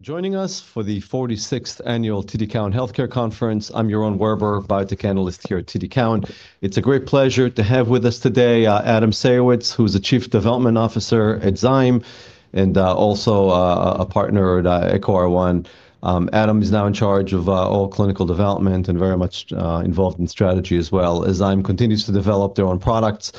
Joining us for the 46th annual TD Cowen Healthcare Conference, I'm Yaron Werber, biotech analyst here at TD Cowen. It's a great pleasure to have with us today, Adam Schayowitz, who's the Chief Development Officer at Zymeworks and also a partner at EcoR1 Capital. Adam is now in charge of all clinical development and very much involved in strategy as well. As Zymeworks continues to develop their own products,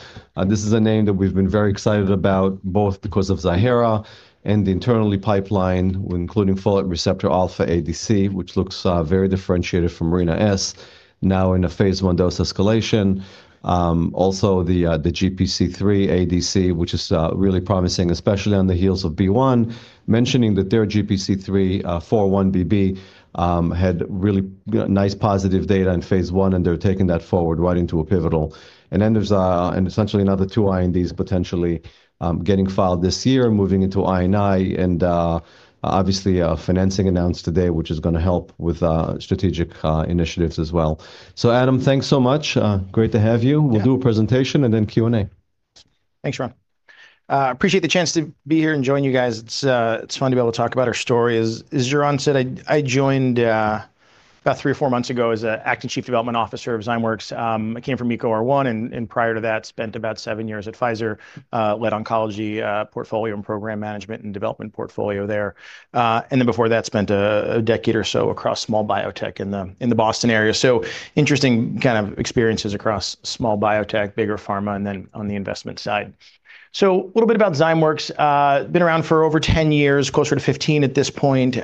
this is a name that we've been very excited about, both because of a zanidatamab and the internally pipeline, including folate receptor alpha ADC, which looks very differentiated from Ladiratuzumab Also the GPC3 ADC, which is really promising, especially on the heels of BeiGene, mentioning that their GPC3 4-1BB had really nice positive data in phase 1, and they're taking that forward right into a pivotal. Then there's and essentially another two INDs potentially getting filed this year, moving into IND and obviously a financing announced today, which is going to help with strategic initiatives as well. Adam, thanks so much. Great to have you. Yeah. We'll do a presentation and then Q&A. Thanks, Yaron. Appreciate the chance to be here and join you guys. It's fun to be able to talk about our story. As Yaron said, I joined about three or four months ago as Acting Chief Development Officer of Zymeworks. I came from EcoR1, and prior to that, spent about seven years at Pfizer, led oncology portfolio and program management and development portfolio there. Before that, spent a decade or so across small biotech in the Boston area. Interesting kind of experiences across small biotech, bigger pharma, and then on the investment side. A little bit about Zymeworks. Been around for over 10 years, closer to 15 at this point.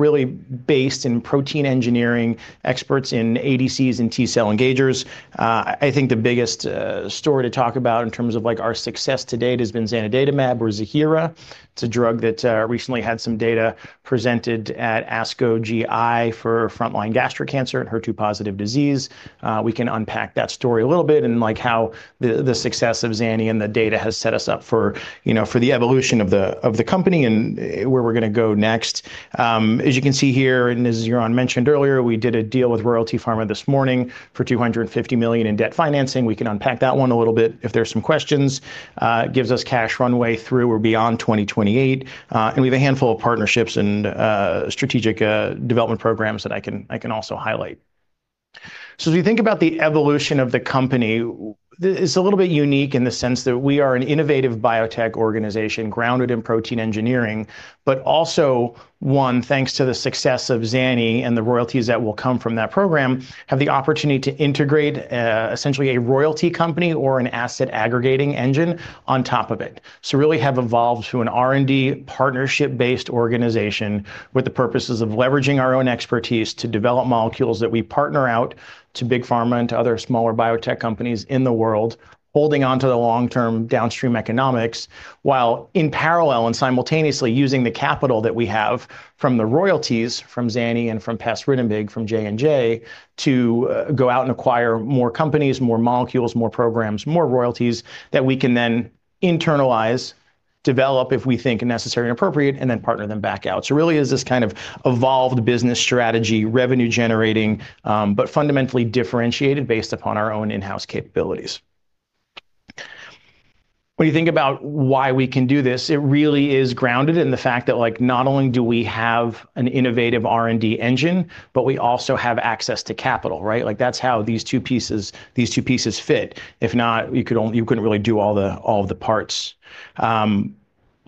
Really based in protein engineering, experts in ADCs and T-cell engagers. I think the biggest story to talk about in terms of, like, our success to date has been zanidatamab or Ziihera. It's a drug that recently had some data presented at ASCO GI for frontline gastric cancer and HER2 positive disease. We can unpack that story a little bit and, like, how the success of Zani and the data has set us up for, you know, for the evolution of the company and where we're going to go next. As you can see here, as Yaron mentioned earlier, we did a deal with Royalty Pharma this morning for $250 million in debt financing. We can unpack that one a little bit if there's some questions. It gives us cash runway through or beyond 2028. We have a handful of partnerships and strategic development programs that I can, I can also highlight. As we think about the evolution of the company, it's a little bit unique in the sense that we are an innovative biotech organization grounded in protein engineering, but also one, thanks to the success of Zani and the royalties that will come from that program, have the opportunity to integrate essentially a royalty company or an asset aggregating engine on top of it. Really have evolved to an R&D partnership-based organization with the purposes of leveraging our own expertise to develop molecules that we partner out to big pharma and to other smaller biotech companies in the world, holding onto the long-term downstream economics, while in parallel and simultaneously using the capital that we have from the royalties from Zani and from pasritamig, from J&J, to go out and acquire more companies, more molecules, more programs, more royalties that we can then internalize, develop if we think necessary and appropriate, and then partner them back out. Really is this kind of evolved business strategy, revenue generating, but fundamentally differentiated based upon our own in-house capabilities. When you think about why we can do this, it really is grounded in the fact that, like, not only do we have an innovative R&D engine, but we also have access to capital, right? Like, that's how these two pieces fit. If not, you couldn't really do all of the parts. On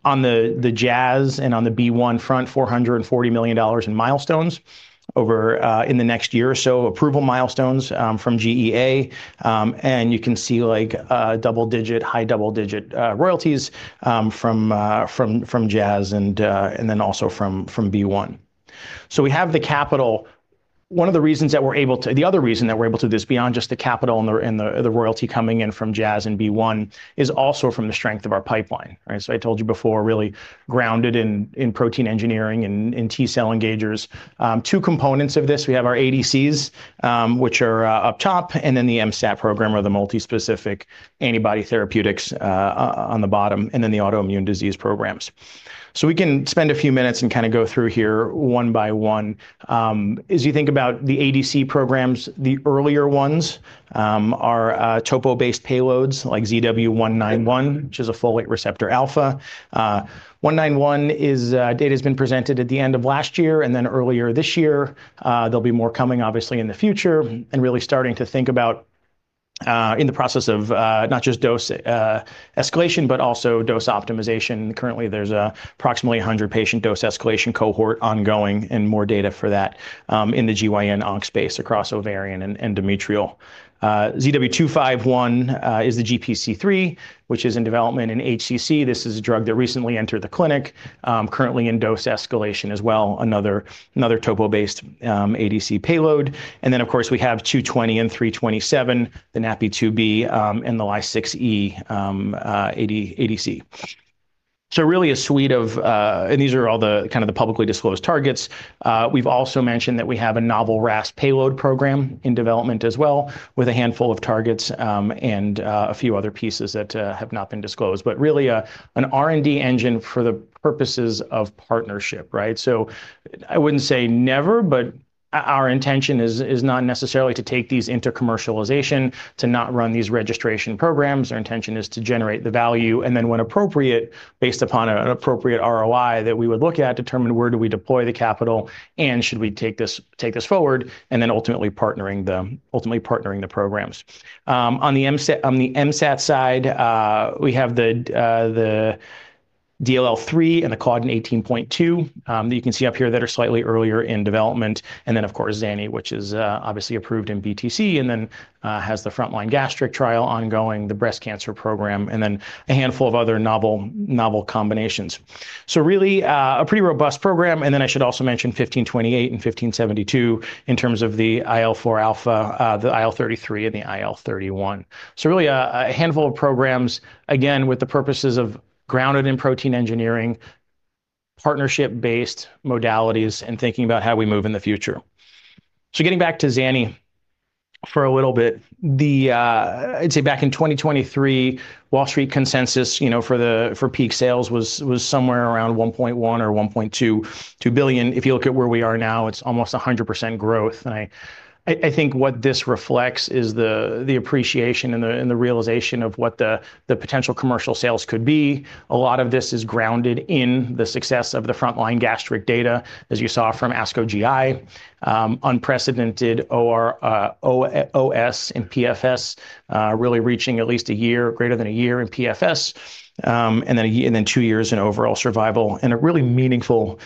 the Jazz and on the BeiGene front, $440 million in milestones over in the next year or so, approval milestones from GEA. You can see like double digit, high double digit royalties from Jazz and then also from BeiGene. We have the capital. One of the reasons that we're able to... The other reason that we're able to do this beyond just the capital and the, and the royalty coming in from Jazz and BeiGene is also from the strength of our pipeline, right? I told you before, really grounded in protein engineering and in T-cell engagers. Two components of this. We have our ADCs, which are up top, and then the MSAT program or the multispecific antibody therapeutics on the bottom, and then the autoimmune disease programs. We can spend a few minutes and kind of go through here 1 by 1. As you think about the ADC programs, the earlier ones are topo-based payloads like ZW191, which is a folate receptor alpha. 191 is data's been presented at the end of last year and then earlier this year. There'll be more coming obviously in the future and really starting to think about in the process of not just dose escalation, but also dose optimization. Currently, there's approximately 100 patient dose escalation cohort ongoing and more data for that in the GYN onc space across ovarian and endometrial. ZW251 is the GPC3, which is in development in HCC. This is a drug that recently entered the clinic, currently in dose escalation as well, another topo-based ADC payload. Of course, we have ZW220 and ZW327, the NaPi2b and the Ly6E AD-ADC. Really a suite of. These are all kind of the publicly disclosed targets. We've also mentioned that we have a novel RAS payload program in development as well with a handful of targets, and a few other pieces that have not been disclosed, but really an R&D engine for the purposes of partnership, right? I wouldn't say never, but our intention is not necessarily to take these into commercialization, to not run these registration programs. Our intention is to generate the value, and then when appropriate, based upon an appropriate ROI that we would look at, determine where do we deploy the capital and should we take this forward, and then ultimately partnering them, partnering the programs. On the MSAT side, we have the DLL3 and the Claudin 18.2 that you can see up here that are slightly earlier in development. Of course Zani, which is obviously approved in BTC and then has the frontline gastric trial ongoing, the breast cancer program, and a handful of other novel combinations. Really a pretty robust program. I should also mention ZW1528 and ZW1572 in terms of the IL-4 alpha, the IL-33, and the IL-31. Really a handful of programs, again, with the purposes of grounded in protein engineering, partnership-based modalities, and thinking about how we move in the future. Getting back to Zani for a little bit, I'd say back in 2023, Wall Street consensus, you know, for peak sales was somewhere around $1.1 billion-$1.2 billion. If you look at where we are now, it's almost 100% growth. I think what this reflects is the appreciation and the realization of what the potential commercial sales could be. A lot of this is grounded in the success of the frontline gastric data, as you saw from ASCO GI, unprecedented ORR, OS and PFS, really reaching at least 1 year, greater than 1 year in PFS, and then 2 years in overall survival, and a really meaningful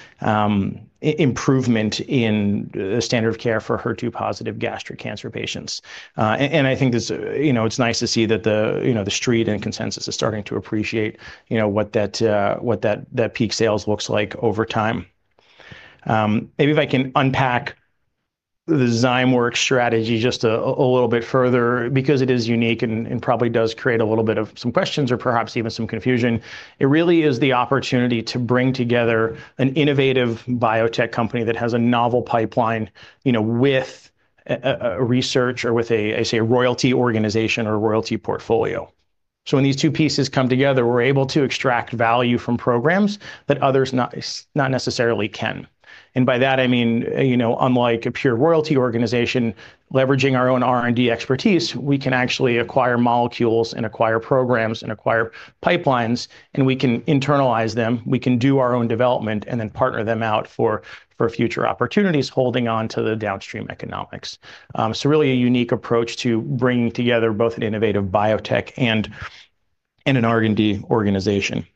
improvement in the standard of care for HER2 positive gastric cancer patients. I think this, you know, it's nice to see that the street and consensus is starting to appreciate, you know, what that peak sales looks like over time. Maybe if I can unpack the Zymeworks strategy just a little bit further because it is unique and probably does create a little bit of some questions or perhaps even some confusion. It really is the opportunity to bring together an innovative biotech company that has a novel pipeline, you know, with a research or with a, I'd say, a royalty organization or royalty portfolio. When these two pieces come together, we're able to extract value from programs that others not necessarily can. By that, I mean, you know, unlike a pure royalty organization leveraging our own R&D expertise, we can actually acquire molecules and acquire programs and acquire pipelines, and we can internalize them. We can do our own development and then partner them out for future opportunities, holding on to the downstream economics. Really a unique approach to bringing together both an innovative biotech and an R&D organization.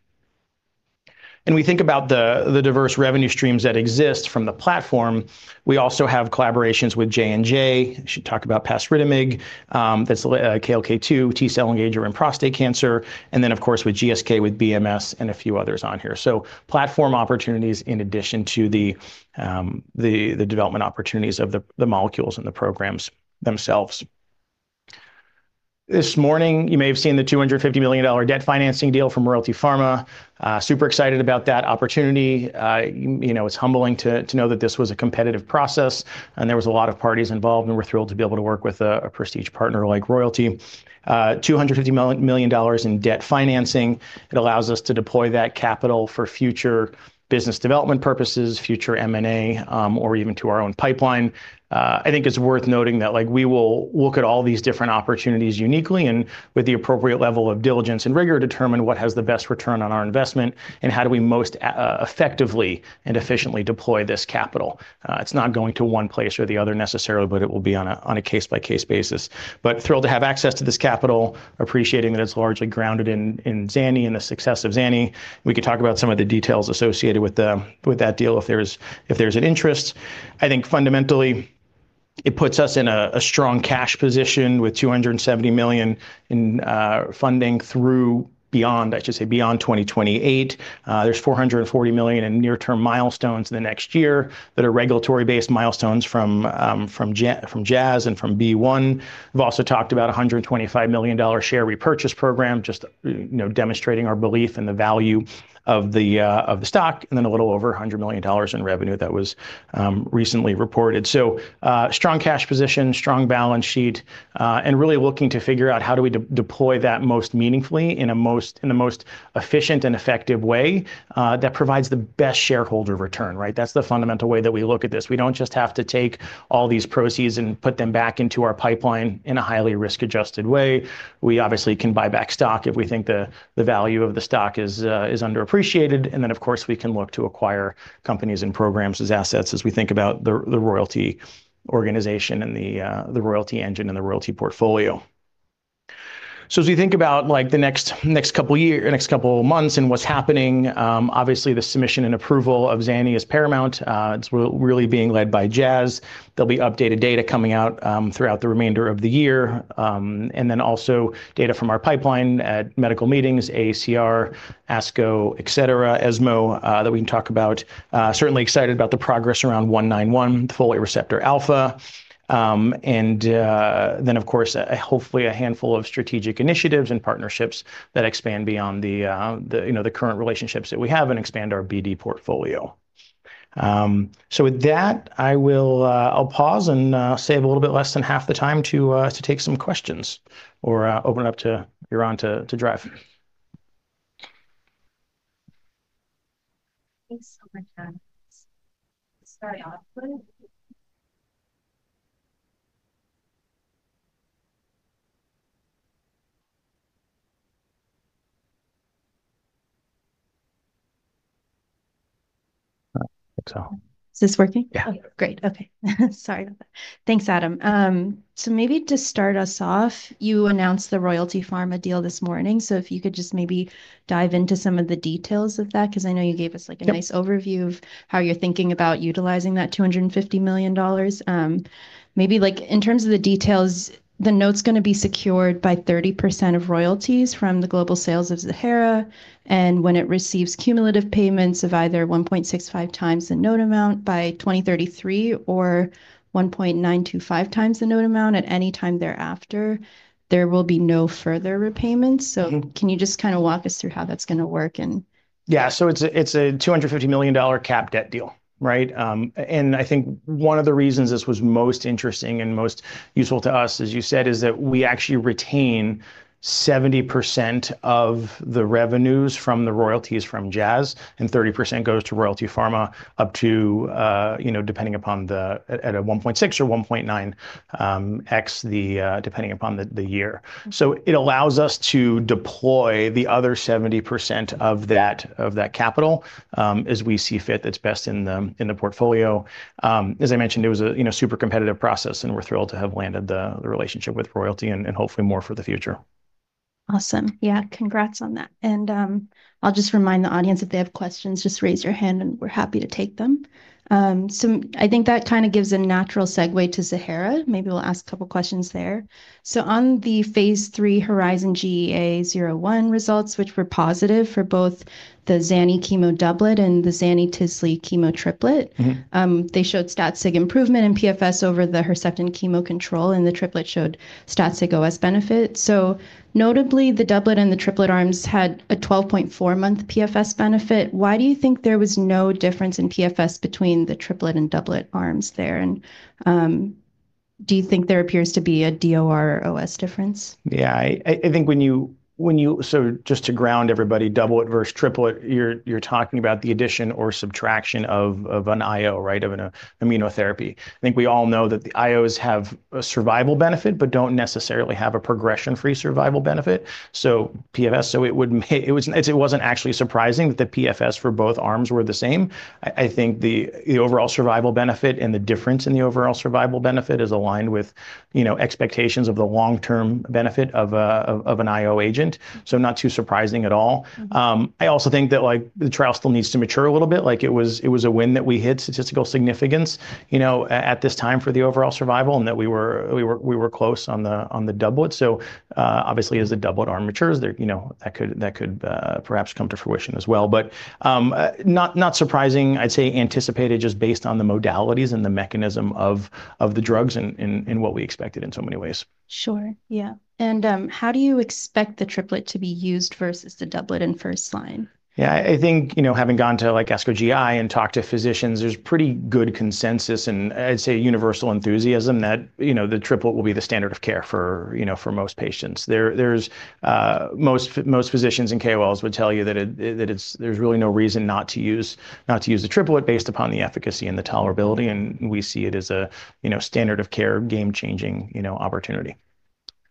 We think about the diverse revenue streams that exist from the platform. We also have collaborations with J&J. I should talk about pasritamig, that's a KLK2 T-cell engager in prostate cancer, of course with GSK, with BMS, and a few others on here. Platform opportunities in addition to the development opportunities of the molecules and the programs themselves. This morning, you may have seen the $250 million debt financing deal from Royalty Pharma. Super excited about that opportunity. You know, it's humbling to know that this was a competitive process and there was a lot of parties involved, and we're thrilled to be able to work with a prestige partner like Royalty. $250 million in debt financing, it allows us to deploy that capital for future business development purposes, future M&A, or even to our own pipeline. I think it's worth noting that, like, we will look at all these different opportunities uniquely and with the appropriate level of diligence and rigor, determine what has the best ROI, and how do we most effectively and efficiently deploy this capital. It's not going to one place or the other necessarily, but it will be on a, on a case-by-case basis. Thrilled to have access to this capital, appreciating that it's largely grounded in Zani and the success of Zani. We can talk about some of the details associated with that deal if there's an interest. I think fundamentally it puts us in a strong cash position with $270 million in funding through beyond, I should say, beyond 2028. There's $440 million in near-term milestones in the next year that are regulatory-based milestones from Jazz and from BeiGene. We've also talked about a $125 million share repurchase program, just, you know, demonstrating our belief in the value of the stock, and then a little over $100 million in revenue that was recently reported. Strong cash position, strong balance sheet, and really looking to figure out how do we de-deploy that most meaningfully in the most efficient and effective way that provides the best shareholder return, right? That's the fundamental way that we look at this. We don't just have to take all these proceeds and put them back into our pipeline in a highly risk-adjusted way. We obviously can buy back stock if we think the value of the stock is underappreciated. Then, of course, we can look to acquire companies and programs as assets as we think about the royalty organization and the royalty engine and the royalty portfolio. As we think about, like, the next couple year, next couple of months and what's happening, obviously the submission and approval of Zani is paramount. It's really being led by Jazz. There'll be updated data coming out throughout the remainder of the year. Also data from our pipeline at medical meetings, ACR, ASCO, et cetera, ESMO, that we can talk about. about the progress around ZW191, the folate receptor alpha. Then of course, hopefully a handful of strategic initiatives and partnerships that expand beyond the, you know, the current relationships that we have and expand our BD portfolio. So with that, I will pause and save a little bit less than half the time to take some questions or open it up to Yaron to drive Thanks so much, Adam. Let's start off with- Oh, it's on. Is this working? Yeah. Great. Okay. Sorry about that. Thanks, Adam. Maybe to start us off, you announced the Royalty Pharma deal this morning. If you could just maybe dive into some of the details of that ’cause I know you gave us. Yep a nice overview of how you're thinking about utilizing that $250 million. Maybe, like, in terms of the details, the note's gonna be secured by 30% of royalties from the global sales of Ziihera. When it receives cumulative payments of either 1.65 times the note amount by 2033 or 1.925 times the note amount at any time thereafter, there will be no further repayments. Mm-hmm. Can you just kinda walk us through how that's gonna work and? Yeah. It's a, it's a $250 million cap debt deal, right? I think one of the reasons this was most interesting and most useful to us, as you said, is that we actually retain 70% of the revenues from the royalties from Jazz, and 30% goes to Royalty Pharma up to, you know, depending upon the. At a 1.6x or 1.9x, depending upon the year. It allows us to deploy the other 70% of that, of that capital, as we see fit that's best in the, in the portfolio. As I mentioned, it was a, you know, super competitive process, and we're thrilled to have landed the relationship with Royalty and hopefully more for the future. Awesome. Yeah. Congrats on that. I'll just remind the audience if they have questions, just raise your hand, and we're happy to take them. I think that kinda gives a natural segue to Ziihera. Maybe we'll ask a couple questions there. On the phase 3 HERIZON-GEA-1 results, which were positive for both the Zani chemo doublet and the Zani-tislelizumab triplet- Mm-hmm... they showed stat sig improvement in PFS over the Herceptin chemo control, and the triplet showed stat sig OS benefit. Notably, the doublet and the triplet arms had a 12.4-month PFS benefit. Why do you think there was no difference in PFS between the triplet and doublet arms there? Do you think there appears to be a DOR OS difference? Yeah. I think when you just to ground everybody, doublet versus triplet, you're talking about the addition or subtraction of an IO, right? Of an immunotherapy. I think we all know that the IOs have a survival benefit but don't necessarily have a progression-free survival benefit, so PFS. It wasn't actually surprising that the PFS for both arms were the same. I think the overall survival benefit and the difference in the overall survival benefit is aligned with, you know, expectations of the long-term benefit of an IO agent, not too surprising at all. Mm-hmm. I also think that, like, the trial still needs to mature a little bit. Like, it was a win that we hit statistical significance, you know, at this time for the overall survival, and that we were close on the doublet. Obviously, as the doublet arm matures, there, you know, that could perhaps come to fruition as well. Not surprising. I'd say anticipated just based on the modalities and the mechanism of the drugs in what we expected in so many ways. Sure. Yeah. How do you expect the triplet to be used versus the doublet in first line? Yeah. I think, you know, having gone to, like, ASCO GI and talked to physicians, there's pretty good consensus and I'd say universal enthusiasm that, you know, the triplet will be the standard of care for, you know, for most patients. There's most physicians in KOLs would tell you that there's really no reason not to use the triplet based upon the efficacy and the tolerability, and we see it as a, you know, standard of care, game-changing, you know, opportunity.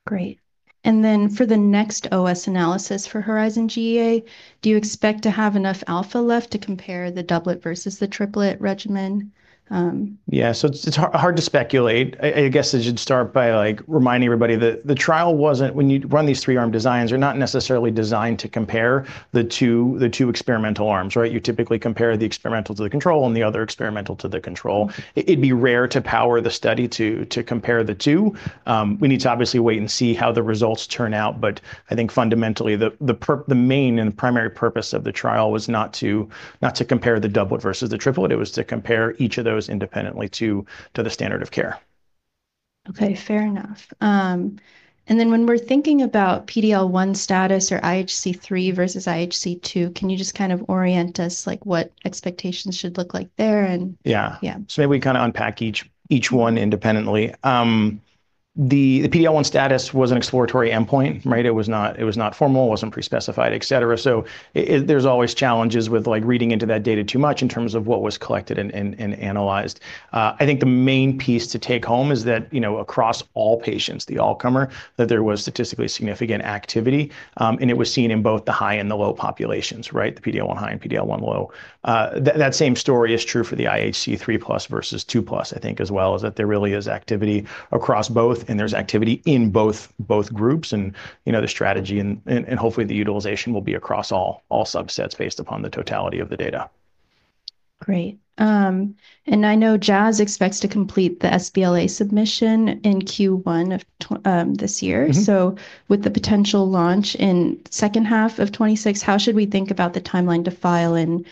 Great. Then for the next OS analysis for HERIZON-GEA-1, do you expect to have enough alpha left to compare the doublet versus the triplet regimen? Yeah. It's hard to speculate. I guess I should start by, like, reminding everybody that the trial wasn't... When you run these three-arm designs, they're not necessarily designed to compare the two experimental arms, right? You typically compare the experimental to the control and the other experimental to the control. It'd be rare to power the study to compare the two. We need to obviously wait and see how the results turn out, I think fundamentally the main and primary purpose of the trial was not to compare the doublet versus the triplet. It was to compare each of those independently to the standard of care. Okay. Fair enough. Then when we're thinking about PD-L1 status or IHC 3+ versus IHC 2+, can you just kind of orient us, like, what expectations should look like there? Yeah Yeah. Maybe we kinda unpack each one independently. The PD-L1 status was an exploratory endpoint, right? It was not formal, it wasn't pre-specified, et cetera. There's always challenges with, like, reading into that data too much in terms of what was collected and analyzed. I think the main piece to take home is that, you know, across all patients, the all-comer, that there was statistically significant activity, and it was seen in both the high and the low populations, right? The PD-L1 high and PD-L1 low. That same story is true for the IHC 3+ versus IHC 2+ I think as well is that there really is activity across both. There's activity in both groups, you know, the strategy and hopefully the utilization will be across all subsets based upon the totality of the data. Great. I know Jazz expects to complete the sBLA submission in Q1 of this year. Mm-hmm. With the potential launch in second half of 2026, how should we think about the timeline to file in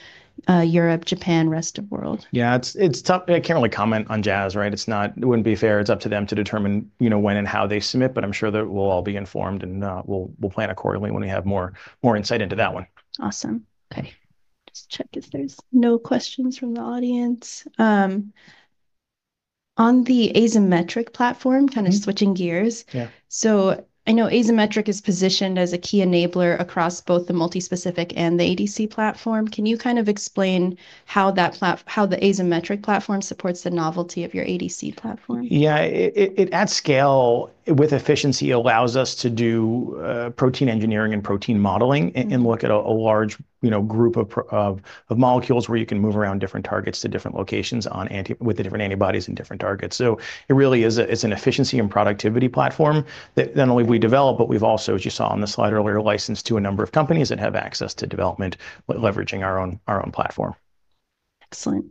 Europe, Japan, rest of world? Yeah. It's, it's tough. I can't really comment on Jazz, right? It wouldn't be fair. It's up to them to determine, you know, when and how they submit, but I'm sure that we'll all be informed and we'll plan accordingly when we have more, more insight into that one. Awesome. Okay. Just check if there's no questions from the audience. On the Azymetric platform, kind of switching gears. Yeah. I know Azymetric is positioned as a key enabler across both the multi-specific and the ADC platform. Can you kind of explain how the Azymetric platform supports the novelty of your ADC platform? Yeah. It at scale with efficiency allows us to do protein engineering and protein modeling and look at a large, you know, group of molecules where you can move around different targets to different locations with the different antibodies and different targets. It really is it's an efficiency and productivity platform that not only we develop, but we've also, as you saw on the slide earlier, licensed to a number of companies that have access to development leveraging our own platform. Excellent.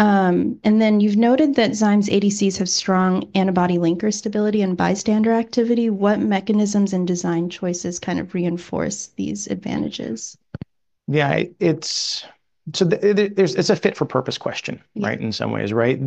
You've noted that Zymeworks' ADCs have strong antibody linker stability and bystander activity. What mechanisms and design choices kind of reinforce these advantages? Yeah. It's a fit for purpose question. Yeah... right, in some ways, right?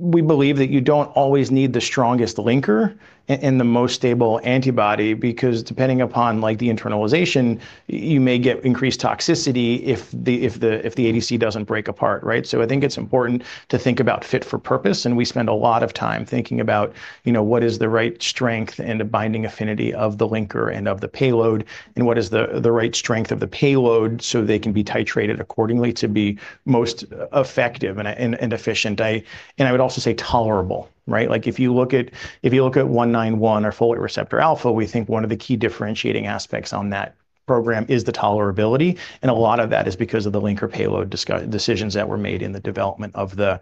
We believe that you don't always need the strongest linker and the most stable antibody because depending upon like the internalization, you may get increased toxicity if the ADC doesn't break apart, right? I think it's important to think about fit for purpose, and we spend a lot of time thinking about, you know, what is the right strength and the binding affinity of the linker and of the payload, and what is the right strength of the payload so they can be titrated accordingly to be most effective and efficient. I would also say tolerable, right? Like if you look at ZW191 or folate receptor alpha, we think one of the key differentiating aspects on that program is the tolerability, and a lot of that is because of the linker payload decisions that were made in the development of the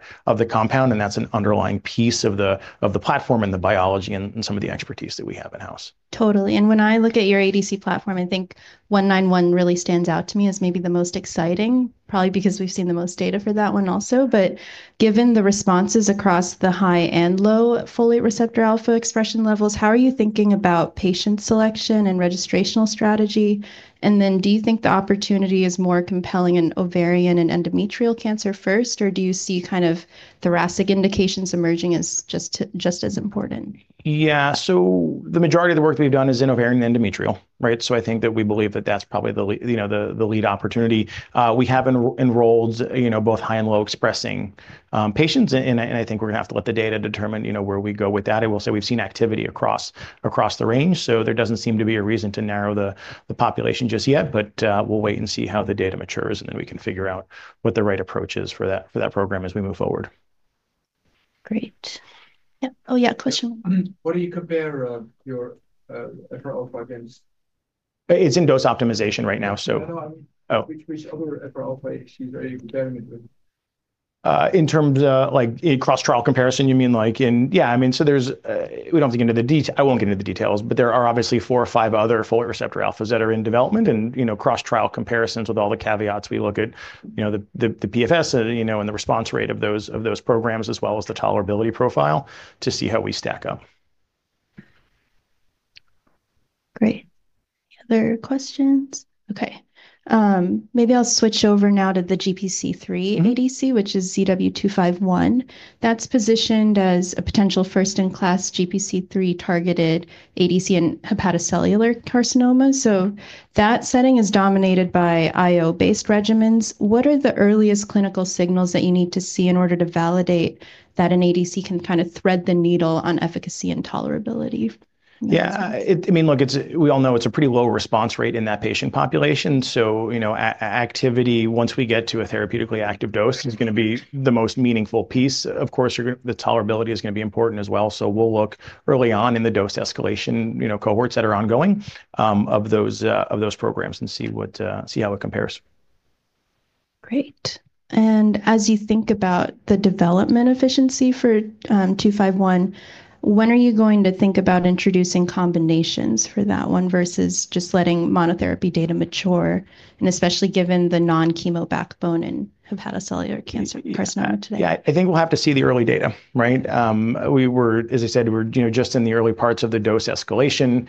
compound, and that's an underlying piece of the platform and the biology and some of the expertise that we have in-house. Totally. When I look at your ADC platform, I think ZW191 really stands out to me as maybe the most exciting, probably because we've seen the most data for that one also. Given the responses across the high and low folate receptor alpha expression levels, how are you thinking about patient selection and registrational strategy? Do you think the opportunity is more compelling in ovarian and endometrial cancer first, or do you see kind of thoracic indications emerging as just as important? Yeah. The majority of the work we've done is in ovarian and endometrial, right? I think that we believe that that's probably you know, the lead opportunity. We have enrolled, you know, both high and low expressing patients and I think we're gonna have to let the data determine, you know, where we go with that. I will say we've seen activity across the range, so there doesn't seem to be a reason to narrow the population just yet. We'll wait and see how the data matures, and then we can figure out what the right approach is for that, for that program as we move forward. Great. Yep. Oh yeah, question. What do you compare your FR alpha against? It's in dose optimization right now. No. Oh which other FR alpha ADC are you comparing it with? In terms of like a cross-trial comparison, you mean. We don't have to get into the detail. I won't get into the details, but there are obviously four or five other folate receptor alphas that are in development. You know, cross-trial comparisons with all the caveats, we look at, you know, the PFS, you know, and the response rate of those programs, as well as the tolerability profile to see how we stack up. Great. Any other questions? Okay. Maybe I'll switch over now to the GPC3 ADC... Mm-hmm... which is ZW251. That's positioned as a potential first-in-class GPC3 targeted ADC and hepatocellular carcinoma. That setting is dominated by IO-based regimens. What are the earliest clinical signals that you need to see in order to validate that an ADC can kind of thread the needle on efficacy and tolerability in this space? I mean, look, it's. We all know it's a pretty low response rate in that patient population, you know, activity, once we get to a therapeutically active dose is gonna be the most meaningful piece. Of course, the tolerability is gonna be important as well. We'll look early on in the dose escalation, you know, cohorts that are ongoing, of those, of those programs and see what, see how it compares. Great. As you think about the development efficiency for ZW251, when are you going to think about introducing combinations for that one versus just letting monotherapy data mature, and especially given the non-chemo backbone in hepatocellular carcinoma today? Yeah. I think we'll have to see the early data, right? As I said, we're, you know, just in the early parts of the dose escalation.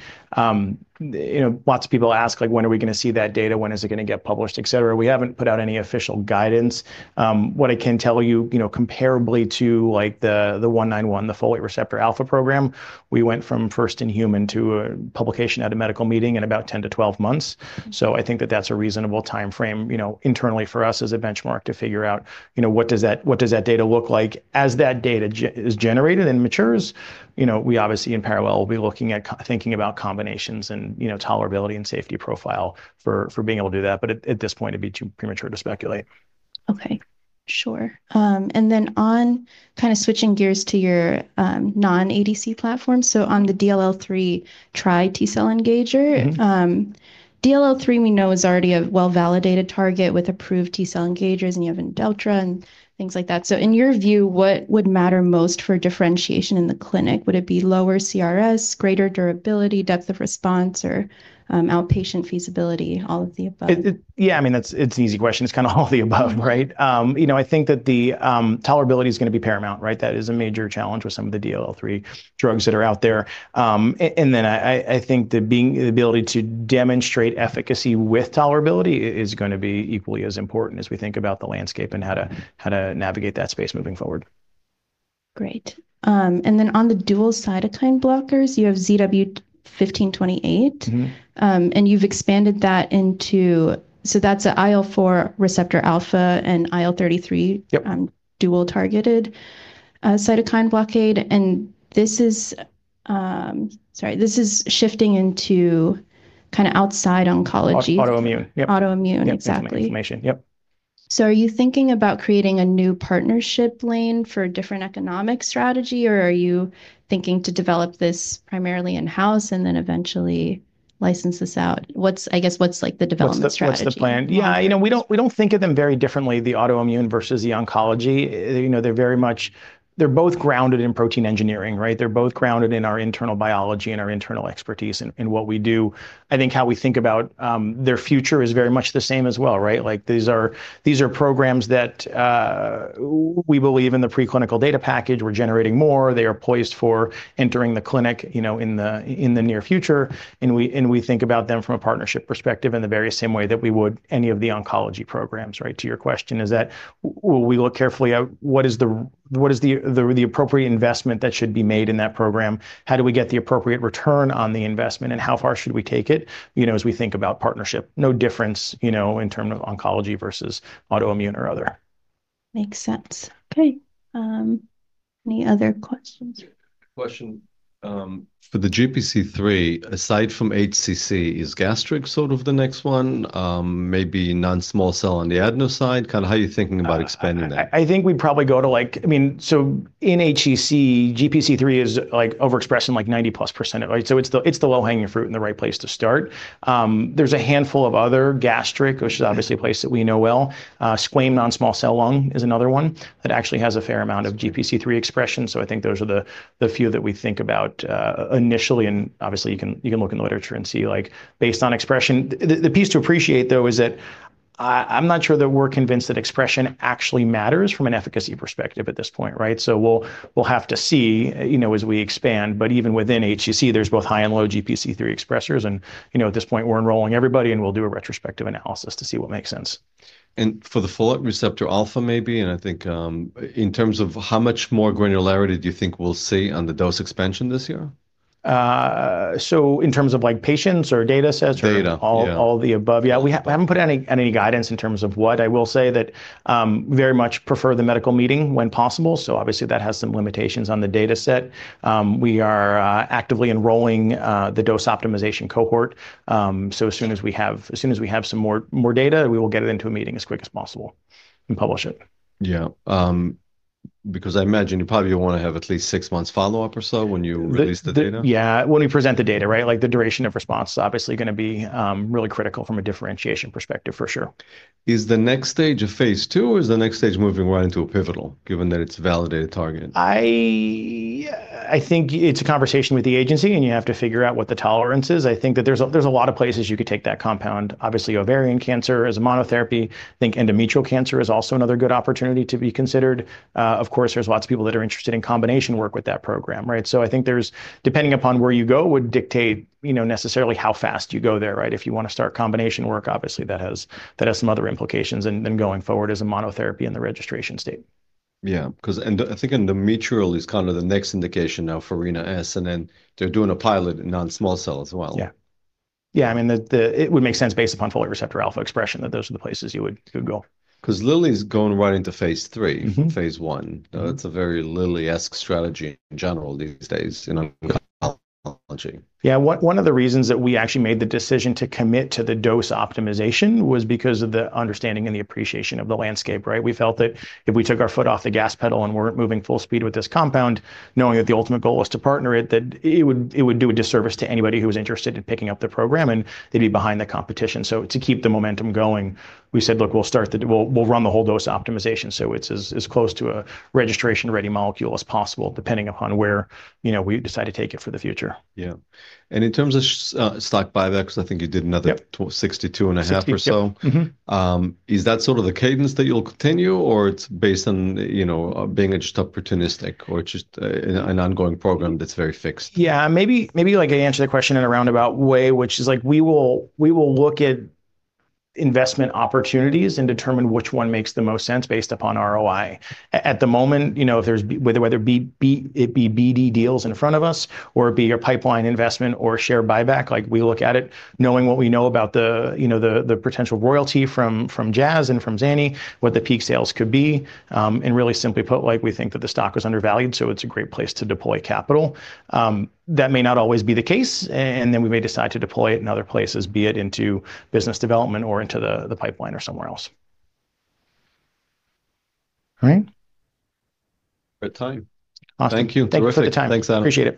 You know, lots of people ask, like, "When are we gonna see that data? When is it gonna get published," et cetera. We haven't put out any official guidance. What I can tell you know, comparably to the ZW191, the folate receptor alpha program, we went from first in human to a publication at a medical meeting in about 10-12 months. I think that that's a reasonable timeframe, you know, internally for us as a benchmark to figure out, you know, what does that data look like. As that data is generated and matures, you know, we obviously in parallel will be looking at thinking about combinations and, you know, tolerability and safety profile for being able to do that. At this point it'd be too premature to speculate. Okay. Sure. On kind of switching gears to your non-ADC platform, so on the DLL3 trispecific T-cell engager. Mm-hmm... DLL3 we know is already a well-validated target with approved T-cell engagers, and you have Imdelltra and things like that. In your view, what would matter most for differentiation in the clinic? Would it be lower CRS, greater durability, depth of response or, outpatient feasibility, all of the above? Yeah, I mean, that's an easy question. It's kind of all of the above, right? You know, I think that the tolerability is gonna be paramount, right? That is a major challenge with some of the DLL3 drugs that are out there. I think the ability to demonstrate efficacy with tolerability is gonna be equally as important as we think about the landscape and how to navigate that space moving forward. Great. Then on the dual cytokine blockers, you have ZW1528. Mm-hmm. You've expanded that into, so that's a IL-4 receptor alpha and IL-33. Yep... dual targeted, cytokine blockade. This is. Sorry, this is shifting into kind of outside oncology. Auto, autoimmune. Yep autoimmune. Exactly. Yeah, inflammation. Yep. Are you thinking about creating a new partnership lane for a different economic strategy, or are you thinking to develop this primarily in-house and then eventually license this out? I guess, what's like the development strategy? What's the plan? Long term. You know, we don't, we don't think of them very differently, the autoimmune versus the oncology. You know, they're very much. They're both grounded in protein engineering, right? They're both grounded in our internal biology and our internal expertise in what we do. I think how we think about their future is very much the same as well, right? Like, these are programs that we believe in the preclinical data package, we're generating more, they are poised for entering the clinic, you know, in the near future, and we, and we think about them from a partnership perspective in the very same way that we would any of the oncology programs, right? To your question, is that we look carefully at what is the appropriate investment that should be made in that program, how do we get the appropriate return on the investment, and how far should we take it, you know, as we think about partnership. No difference, you know, in term of oncology versus autoimmune or other. Makes sense. Okay. Any other questions? Question. For the GPC3, aside from HCC, is gastric sort of the next one? Maybe non-small cell on the adeno side? Kinda how you thinking about expanding that? I think we'd probably I mean, in HCC, GPC3 is like overexpressed in like 90+% right? It's the, it's the low-hanging fruit and the right place to start. There's a handful of other. Yeah... which is obviously a place that we know well. Squamous non-small cell lung is another one that actually has a fair amount of GPC3 expression. I think those are the few that we think about, initially, and obviously you can, you can look in the literature and see, like based on expression. The piece to appreciate though is that I'm not sure that we're convinced that expression actually matters from an efficacy perspective at this point, right? We'll, we'll have to see, you know, as we expand, but even within HCC, there's both high and low GPC3 expressers and, you know, at this point, we're enrolling everybody, and we'll do a retrospective analysis to see what makes sense. For the folate receptor alpha maybe, and I think, in terms of how much more granularity do you think we'll see on the dose expansion this year? In terms of like patients or data sets. Data. Yeah.... all the above. Yeah. We haven't put any guidance in terms of what. I will say that very much prefer the medical meeting when possible, so obviously that has some limitations on the data set. We are actively enrolling the dose optimization cohort, so as soon as we have some more data, we will get it into a meeting as quick as possible and publish it. Because I imagine you probably wanna have at least six months follow-up or so when you release the data. The. Yeah. When we present the data, right? Like, the duration of response is obviously gonna be really critical from a differentiation perspective, for sure. Is the next stage a phase two, or is the next stage moving right into a pivotal, given that it's a validated target? I think it's a conversation with the agency. You have to figure out what the tolerance is. I think that there's a lot of places you could take that compound. Obviously, ovarian cancer as a monotherapy. I think endometrial cancer is also another good opportunity to be considered. Of course, there's lots of people that are interested in combination work with that program, right? I think there's, depending upon where you go, would dictate, you know, necessarily how fast you go there, right? If you wanna start combination work, obviously that has some other implications than going forward as a monotherapy in the registration state. Yeah, 'cause I think endometrial is kind of the next indication now for sutro-gyn-e, and then they're doing a pilot in non-small cell as well. Yeah, I mean, it would make sense based upon folate receptor alpha expression that those are the places you would go. 'Cause Lilly's going right into phase 3. Mm-hmm... from phase I. Mm-hmm. Now, that's a very Lilly-esque strategy in general these days, you know, in oncology. Yeah. One of the reasons that we actually made the decision to commit to the dose optimization was because of the understanding and the appreciation of the landscape, right? We felt that if we took our foot off the gas pedal and weren't moving full speed with this compound, knowing that the ultimate goal was to partner it, that it would do a disservice to anybody who was interested in picking up the program, and they'd be behind the competition. To keep the momentum going, we said, "Look, we'll run the whole dose optimization so it's as close to a registration-ready molecule as possible, depending upon where, you know, we decide to take it for the future. Yeah. In terms of stock buybacks, I think you did another... Yep sixty-two and a half or so. 60, yep. Mm-hmm. is that sort of the cadence that you'll continue, or it's based on, you know, being a just opportunistic or just a, an ongoing program that's very fixed? Yeah. Maybe, like I answered the question in a roundabout way, which is like we will, we will look at investment opportunities and determine which one makes the most sense based upon ROI. At the moment, you know, if there's... Whether it be BD deals in front of us or it be a pipeline investment or a share buyback, like we look at it knowing what we know about the, you know, the potential royalty from Jazz and from Zani, what the peak sales could be. Really simply put, like we think that the stock was undervalued, so it's a great place to deploy capital. That may not always be the case, and then we may decide to deploy it in other places, be it into business development or into the pipeline or somewhere else. All right. We're at time. Awesome. Thank you. Terrific. Thank you for the time. Thanks, Adam. Appreciate it.